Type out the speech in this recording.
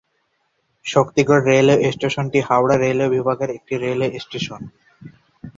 Shaktigarh railway স্টেশনটি Howrah railway বিভাগের একটি রেলওয়ে স্টেশন।